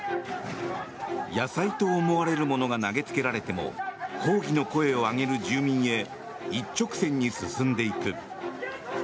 野菜と思われるものが投げつけられても抗議の声を上げる住民へ一直線に進んでいく。